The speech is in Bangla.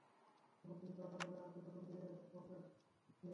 যখন কিছুটা আঁঠালো হয়ে আসবে তখন দিয়ে দিন কনডেন্স মিল্ক।